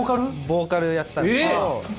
ボーカルやってたんですけど。